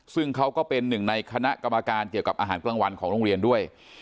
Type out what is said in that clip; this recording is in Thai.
ซึ่งเขาก็เป็นหนึ่งในคณะกรรมการเกี่ยวกับอาหารกลางวันของโรงเรียนด้วย